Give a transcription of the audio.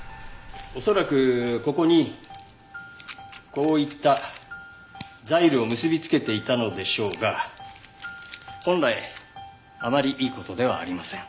恐らくここにこういったザイルを結びつけていたのでしょうが本来あまりいい事ではありません。